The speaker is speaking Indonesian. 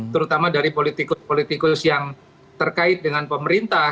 terutama dari politikus politikus yang terkait dengan pemerintah